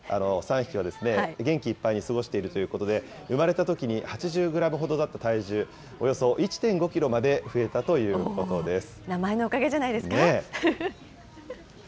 ３匹は元気いっぱいに過ごしているということで、産まれたときに８０グラムほどだった体重、およそ１．５キロまで増えたというこ名前のおかげじゃないですか